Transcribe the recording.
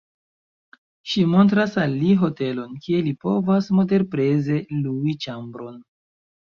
Ŝi montras al li hotelon kie li povas moderpreze lui ĉambron.